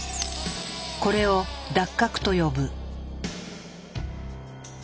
これを脱核と呼ぶ。